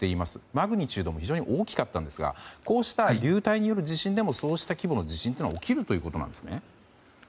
マグニチュードも大きかったんですがこうした流体による地震でもそうした規模の地震が起こるんですね。